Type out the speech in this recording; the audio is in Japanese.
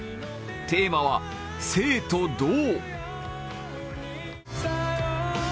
テーマは「静」と「動」。